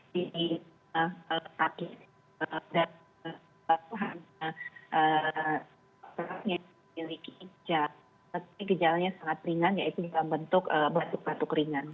terus hanya terpaksa memiliki kejalanan yang sangat ringan yaitu dalam bentuk batuk batuk ringan